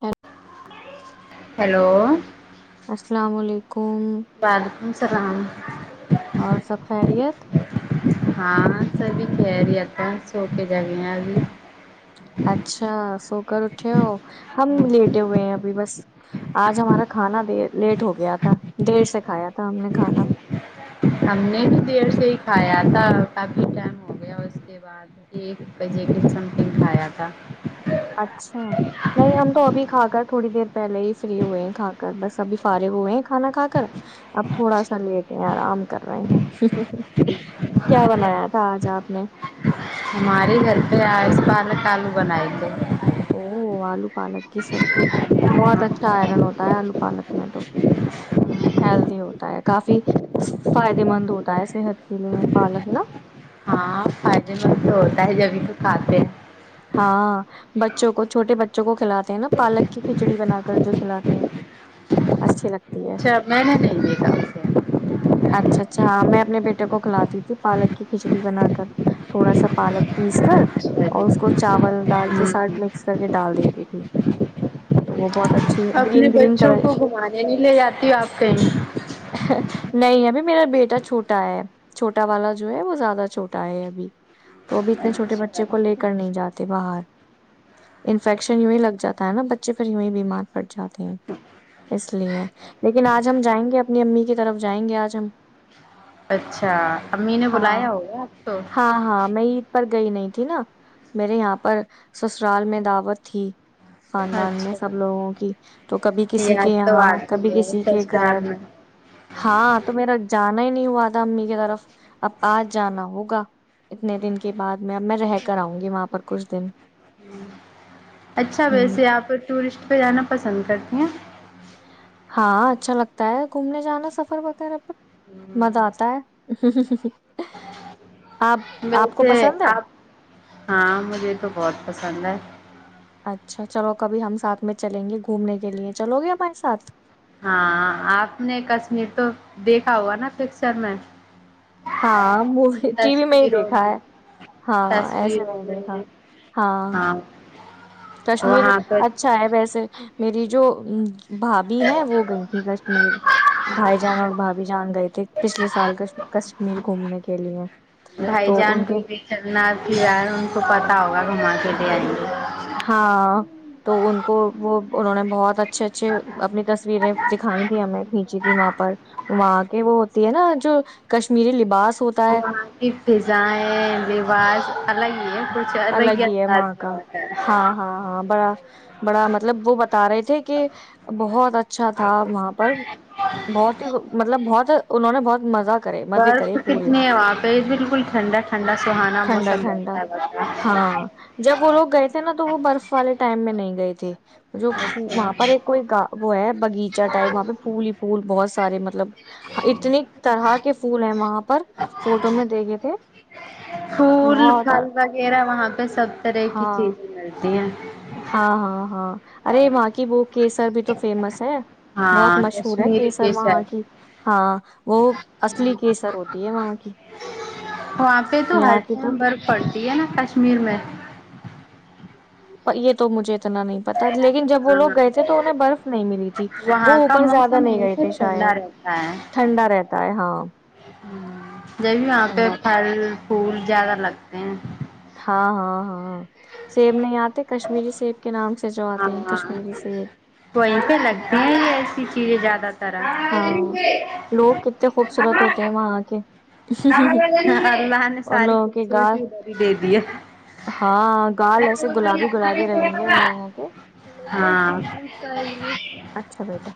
ہ [unintelligible] ہلو السلام علیکم کم وعلیکم السلام اور سب خیریت ہاں سبھی کہہ رہی اپ سو کے جگب اچھا سو کر اٹھے ہو ہم لیٹے ہوئے ہیں ابھی بس آج ہمارا کھانا د لیٹ ہو گیا تھا دیر سے کھایا تھا ہم نے کھانا ہم نے تو دیر سے ہی کھایا تھا کافی ٹائم ہو گیا اس کے بعد ایک بجے کے سمنگ کھایا تھا اچھا نہیں ہم تو ابھی کھا کر تھوڑی دیر پہلے ہی فری ہوئے ہیں کھا کر بس ابھی فارے ہوئے ہیں کھانا کھا کر اب تھوڑا سا لیٹ ہیں آرام کر رہے ہیں کیا بنایا تھا آج آپ نے ہمارے گھر پہ پالک آلو بنیں گے او آلو پالک کی سبزی بہت اچھا آئرن ہوتا ہے آلو پالک میں تو ہیلدی ہوتا ہے کافی فائدے مند ہوتا ہے صحت کے لیے پالک نا ہاں فائدے مند تو ہوتا ہے جبھی تو کھاتے ہیں ہاں بچوں کو چھوٹے بچوں کو کھلاتے ہیں نا پالک کی کھچڑی بنا کر جو کھلاتے ہیں اچھے لگتے اچھا میں نہیں دیں گے کہم سے اچھا اچھا ہاں میں اپنے بیٹے کو کھلاتی تھی پالک کی کھچڑی بنا کر تھوڑا سا پالک پیس کر اچھا جی اور اس کو چاول دال کے ہوں ساتھ مکس کر کے ڈال دیتی تھی تو وہ بہت اچھا اپنے بچوں کو گھمانے نہیں لے جاتی ہ آپ کہیں نہیں ابھی میرا بیٹا چھوٹا ہے چھوٹا والا جو ہے وہ زیادہ چھوٹا ہے ابھی تو ابھی اتنے چھوٹے بچے اچھا کو کو لے کر نہیں جاتے باہر انفیکشن یوں ہی لگ جاتا ہے نا بچے پر یوں ہی بیمار پڑ جاتے ہیں اس لیے لیکن آج ہم جائیں گے اپنی امی کی طرف جائیں گے آج ہم اچھا امی نے ہاں بلایا ہوگیا اب تو ہاں ہاں میں عید پر گئی نہیں تھی نا میرے یہاں پر سسرال میں دعوت تھی خاندان میں اچھا سب لوگوں کی تو کبھی کسی کے یاد تو یہاں آتی کبھی ہے کسی کے سسرال گھر میں ہاں تو میرا جان ہی نہیں ہوا تھا امی کی طرف اب آج جانا ہوگا اتنے دن کے بعد میں میں رہ کر آؤں گی وہاں پر کچھ دن اچھا ہوں ویسے آپ ٹورسٹ پہ جانا پسند کرتی ہیں ہاں اچھا لگتا ہے گھومنے جانا سفر وغیرہ پر مزہ ہمم، آتا ہے آپ آپ کو ویسے پسند ہے آپ ہاں مجھے تو بہت پسند ہے اچھا چلو کبھی ہم ساتھ میں چلیں گے گھومنے کے لیے چلو گے ہمارے ساتھ ہاں آپ نے کشمیر تو دیکھا ہوا نا پکچر میں ہاں موی ٹی وی میں ہی دیکھا ہے ہاں ایسے تصویروں نہیں دیکھا میں ہاں کشمیر وہاں پہ اچھا ہے ویسے میری جو بھابھی ہیں وہ گئی تھی کشمیر بھائی جان اور بھابھی جان گئے تھے پچھلے سال کش کشمیر گھومنے کے لیے بھائی تو جان ان کو کے بھی لے چلنا تیاری ہاں تو ان کو وہ انہوں نے بہت اچھے اچھے اپنی تصویریں دکھائی تیں ہمیں کھینچی تھی وہاں پر وہاں کے وہ ہوتی ہے نا جو کشمیری لباس ہوتا ہے وہاں پ بھیزائے ہے آاز الگ ہی ہے وہاں کا ہوتا ہے ہاں ہاں ہاں بڑا بڑا مطلب وہ بتا رہے تھے کہ بہت اچھا تھا وہاں پر بہت ہی مطلب بہت انہوں نے بہت مزہ کرے مزے برف کرے پورے کتنی ہے وہاں پہ بالکل ٹھنڈا ٹھنڈا سہانا ٹھنڈا موسم ٹھنڈا رہتا ہے ب ہاں جب وہ لوگ گئے تھے نا تو وہ برف والے ٹائم میں نہیں گئی تھی جو وہاں پر اچھا ایک کوئی گا وہ ہے بغیچہ ٹائپ وہاں پہ پھول ہی پھول بہت سارے مطلب اتنی طرح کے پھول ہیں وہاں پر فوٹو میں دیکھے تھے فول بہت فال بال میرا وہاں پہ سب طرح کی ہاں چیزیں ملتی [inaudible] ہاں ہاں ہاں ارے وہاں کی وہ کیسر بھی تو فیمس ہے بہت ہاں مشہور ہے کشمیر کیسر کے وہاں سائڈ کی ہاں وہ اصلی کیسر ہوتی ہے وہاں کی وہاں پہ تو ہر یہاں کی تو ٹائم برف پڑتی ہے نا کشمیر میں یہ تو مجھے اتنا نہیں پتا لیکن جب وہ ہاں لوگ گئے تھے تو انہیں برف نہیں ملی تھی وہ وہاں کا اوپر زیادہ موسم نہیں گئے ہمیشہ تھے ٹھنڈا شاید ٹھنڈا رہتا ہے ہاں ہ جی وہاں پہ ٹھنڈا تھا پل پھول زیادہ لگتے ہیں ہاں ہاں ہاں سیب نہیں آتے کشمیری سیب کے نام سے جو آتے ہیں ہاں کشمیری سیب وہیں پہ لگتے ہیں یہ ایسی چیزیں زیادہ تر ہاں لوگ کتنے خوبصورت ہوتے ہیں وہاں کے اللہ نے ان ساری لوگوں کے خص کی اد گال ہی دے دی ہے ہاں گال ایسے گلابی گلابی رہیں گے ان لوگوں کے ہاں اچھا بیٹا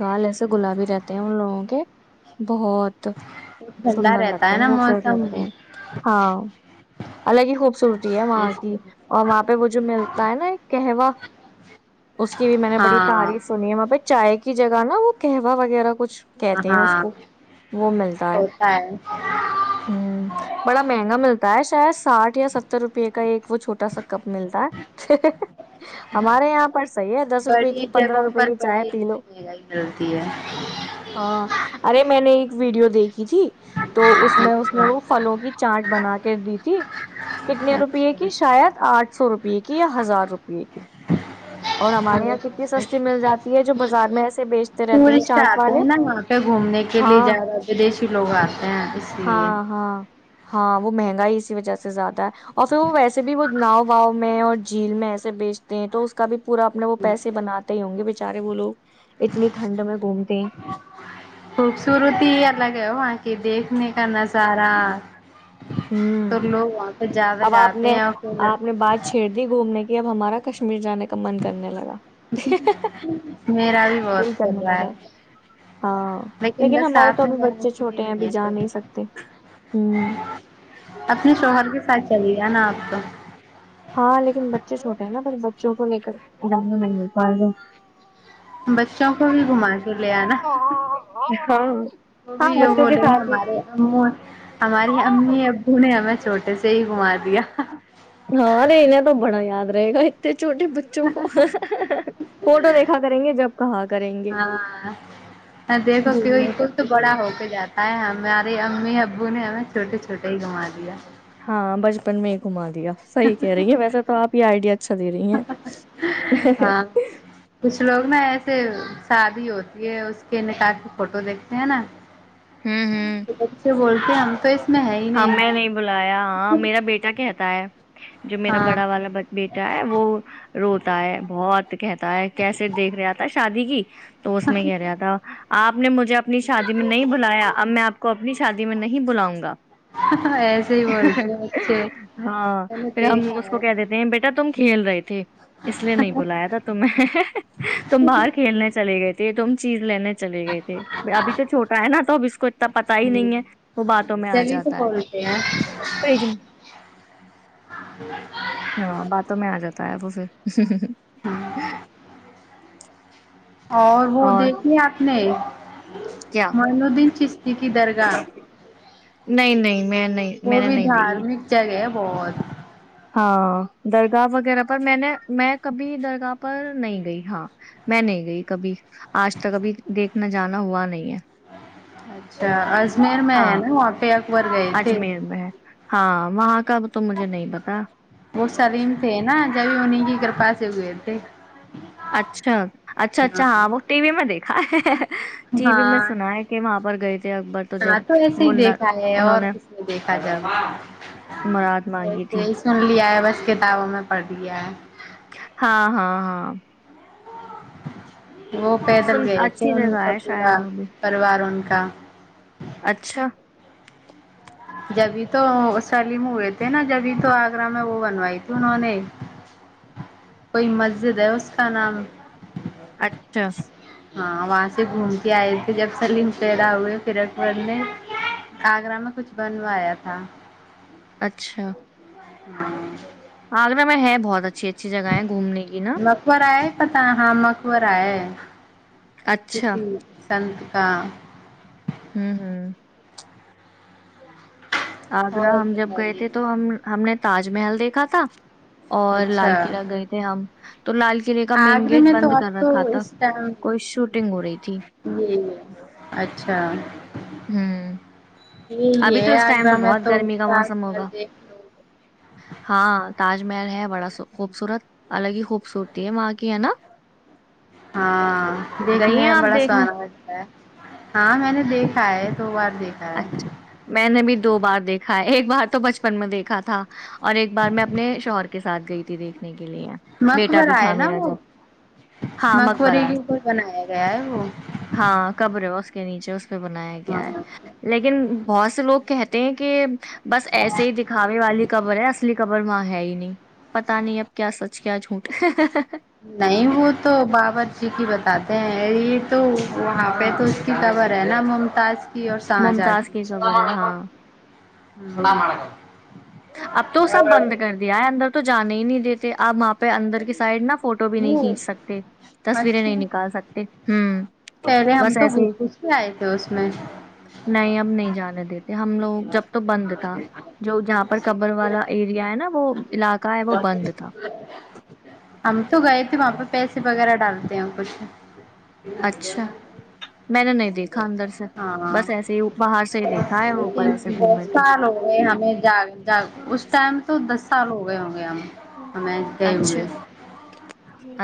گال ایسے گلابی رہتے ہیں ان لوگوں کے بہت ٹھنڈا سندر رہتا لگتے ہے ہیں نا خوبصورت موسم لگتے ہیں ہاں الگ ہی خوبصورتی ہے وہاں کی اور وہاں پہ وہ جو ملتا ہے نا ایک کہوہ اس کی بھی میں نے بڑی ہاں تعریف سنی ہے وہاں پہ چائے کی جگہ نا وہ قوہ وغیرہ کچھ کہتے ہیں اس ہاں کو وہ ملتا ہے ہ بڑا مہنگا ملتا ہے شہ ساٹھ یا ستر روپے کا ایک وہ چھوٹا سا کپ ملتا ہے ہمارے یہاں پر صحیح ہے دس روپے کی پندرہ روپئے کی چائے پی لو ہی ڈلتی ہے دے گی جی تو اس میں اس نے اچھا وہ فھلوں کی چارٹ بنا کے دی تھی کتنے اچھا روپے کی شاید آٹھ سو روپئے کی یا ہزار روپئے کی اور ہمارے یہاں کتنی سستی مل جاتی ہے جو ہازار میں ایسے بیچ ٹورسٹ آتے ہیں نا وہاں پہ گھومنے کے لیے ہاں جیادہ ودیشی لوگ آتے ہیں اس لیے ہاں ہاں ہاں وہ مہنگا ہی اسی وجہ سے زیادہ ہے اور پھر وہ ویسے بھی وہ ناؤ واؤ میں اور جھیل میں ایسے بیچتے ہیں تو اس کا بھی پورا اپنے وہ پیس بناتے ہی ہ گے سارے بول لو خوبصورتی الگ ہے ہو وہاں کی دیکھ ک نہیں کرناز رہا ہ اب آپ جاتے نے ہیں اور پھر آپ نے بات چھیڑ دی گھومنے کی یہ اب ہمارا کشمیر جانے کا من کرنے لگا میرا بھی دل بہت کر کرنے رہا ہے لگا ہاں لیکن بس ہمارے تو ساتھ میں ابھی جانے بچے کے لیے چھوٹے ہیں نہیں ابھی ہے جا کوئی سکتے ہوں اپنے شوہر کے ساتھ چل کیا نا آپ کا ہاں لیکن بچے چھوٹے ہیں نا پھر بچوں کو لے کرا نہیں بچوں کو بھی گھم لے آناا ہاں وہ بھی ہاں یہ بچوں کے بولے ساتھ ہی ہمارے او ہماری امی ابو نے ہمیں صحی کما دیا ہاں ارے انہیں تو بڑا یاد رہے گات چھوٹے بچوں کو فوٹو دیکھا کریں گے جب کہا کریں گے ہاں گھومنے کا آ ہمارے امی ابو نے ہمیں چھوٹے چھوٹے ہی گھما دیا ہاں بچپن میں گمار صحیح کہہ رہی ہیں ویسے تو آپ یہ آئیڈیا اچھا دے رہی ہیں ہاں کچھ لوگ نا ایسے شادی ہوتی ہے اس کے نکاح کی فوٹو دیکھتے ہیں نا بچے بولتے ہم تو میں ہے ہی ہاں میں نہیں بلایا ہاں میرا بیٹا کہتا ہے جو میرا ہاں بڑا والا بیٹا ہے وہ روتا ہے بہت کہتا ہے کیسے دیکھ رہا آتا شادی کی تو اس میں کہہ رہا تھا آپ نے مجھے اپنی شادی میں نہیں بلایا اب میں آپ کو اپنی شادی میں نہیں بلاؤں گا ایسے ہی بولتے ہیں بچے ہاں میں نے پھر ہم دیکھا اس کو ہے کہ دیتے ہیں بیٹا تم کھیل رہے تھے اس لیے نہیں بلایا تھا تمیں تم باہر کھیلنے چلے گئے تھے یہ تم چیز لین چلے گئے تھے ابھی تو چوٹا ہے نا تو اب اس کو اتنا پتا ہی ہمم نہیں ہے وہ باتوں میں آ جبھی جاتا تو ہے بولتے ہیں فریج میں ج جی [unintelligible] [inaudible] اور وہ دیکھ ل آپ نے کیا ہ م ادین چستتی کی [unintelligible] درگاہ نہیں نہیں میں نہیں میں نے نہیں دی کہ بہت ہاں درگاہ وغیرہ پر میں نے میں کبھی درگاہ پر نہیں گئی ہاں میں نہیں گئی کبھی آج تک ابھی دیکھنا جانا ہوا نہیں ہے اچھا اجمیر میں ہے ہاں نا وہاں پہ اکبر گئے تھے اجمیر میں ہے ہاں وہاں کا تو مجھے نہیں پتا وہ سلیم تھے نا جب انہیں کی کرپ پاس ا ہوو تھ اچھا اچھا اچھا ہاں وہ ٹی وی میں دیکھا ہے [inaudible] ٹی وی میں ہاں سنا ہے کہ وہاں پر گئے تھے اکبر جب ہاں تو ایسے ہی منا دیکھا ہے انہوں اور کچھ نے دیکھا جب مراد مانگی ایسے تھی ہی سن لیا ہے بس کتابوں میں پڑھ لیا ہے ہاں ہاں ہاں وہ پیدل سن گئے تھے اچھی ان جگہ کا ہے پورا شاید وہ بھی پریوار ان کا [inaudible] اچھا جبھی تو سلیم ہوئے تھے نا جبھی تو آگرہ میں وہ بنوائی تھی انہوں نے کوئی مسجد ہے اس کا نام اچھا ہاں وہاں سے گھوم کے آئے تھے جب سلیم پیدا ہوئے پھر اکبر نے آگرہ میں کچھ بنوایا تھا اچھا ہ عالمی میں ہے بہت اچھی اچ مکر ہے پتا ہاں م ہوور ہے ک اچھا سن کا ہوں ہوں آگرہ اور ہم جب گئے تھے بتائیے تو ہم ہم نے تاج محل دیکھا تھا اور اچھا لال قلعہ گئے تھے ہم تو لال قلعے کا مین آگرے گیٹ میں تو بند اب کر تو رکھا تھا اس ٹائم کوئی شوٹنگ ہو رہی تھی ج اچھا ہوں یہ ابھی تو یہ اس ٹائم آگرہ میں بہت تو گرمی کا چار موسم مل ہوگا دیکھ لو ہاں تاج محل ہے بڑا خوبصورت الگ ہی خوبصورتی ہے وہاں کی ہے نا ہاں گئی دیکھنے ہیں میں آپ بڑا دیکھنے سونا لگتا ہے ہاں میں نے دیکھا ہے توو اچھا میں نے بھی دو بار دیکھا ایک بار تو بچپن میں دیکھا تھا اور ایک بار میں اپنے شوہر کے ساتھ گئی تھی دیکھنے کی لیے بیٹا بھی مقبرہ ہے تھا نا میرا وہ جب ہاں مقبرے مکبرہ ہے کے اوپر بنایا گیا ہے وہ ہاں قبر اس کے نیچے اس کے اس پہ بنایا گیا ہے ہاں لیکن بہت سے لوگ کہتے ہیں کہ بس ایسے ہی دکھاوے والی خبر ہے اصلی خبر خر ماں ہے ہی نہیں پتا نہیں اب کیا سچ کیا جھوٹ نہیں وہ تو باورور جی کی بتاتے ہیں ا یہ تو وہاں پہ تو اس کی خبر ہے نا ممتاز کی اور ساہ ج آ ممتاز کی خبر ہے گی ہاں اب تو سب بند کر دیا ہے اندر تو جانے ہی نہیں دیتے آپ ماںپ پ اندر کی سائڈ نہا فوٹو بھی نہیں وہ کھینچ سکتے تصویریں اچھا نہیں نکال سکتے ہ پہلے ہم بس تو ایسے ہی گھس گھس کے آئے تھے اس میں نہیں اب نہیں جانے دیتے ہم لوگ جب تو بند تھا جو ج قبر والا ایریا ہے نا وہ علاقہ ہے وہ بند تھا ہم تو گئے تھے وہاں پہ پیسے وغیرہ ڈالتے ہیں کچھ اچھا میں نے نہیں دیکھا اندر سے ہاں بس ایسے ہی باہر سے ہی دیکھا ہے اوپر لیکن ایسے دس گھومے تھے سال ہو گئے ہمیں جاا اس ٹائم تو دس سال ہو گئے ہو گیا ہمیں گئے اچھا ہوئے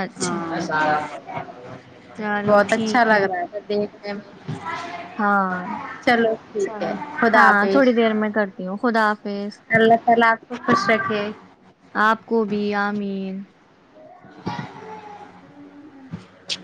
اچھا ہ چلو بہت اچھا ٹھیک لگ رہا ہے دیکھ ہاں چلو ٹھیک ہے چلو خدا ہاں حافظ تھوڑی دیر میں کرتی ہوں خدا حافظ اللہ تعالی آپکو خوش رکھے آپ کو بھی آمین [inaudible] ہ ہ ہ